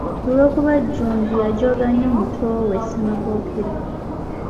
Olw’okuba Jjunju yajooga nnyo muto we Ssemakookiro.